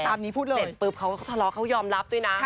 นี้พูดเลยเห็นปุ๊บเขาก็ทะเลาะเขายอมรับด้วยนะ